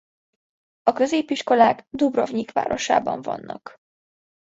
A középiskolák Dubrovnik városában vannak.